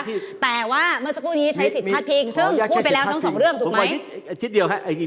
แต่เมื่อเมื่อกว่านี้ใช้สิทธ์ภาทพิง